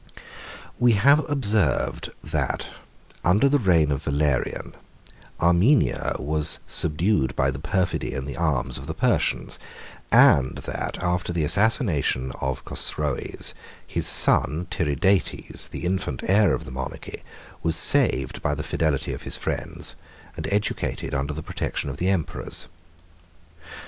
We have observed, under the reign of Valerian, that Armenia was subdued by the perfidy and the arms of the Persians, and that, after the assassination of Chosroes, his son Tiridates, the infant heir of the monarchy, was saved by the fidelity of his friends, and educated under the protection of the emperors.